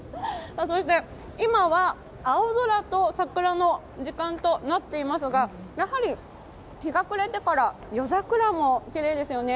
そして今は青空と桜の時間となっていますが、やはり日が暮れてから夜桜もきれいですよね。